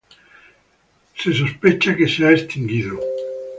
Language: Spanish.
Se sospecha que se haya extinguido.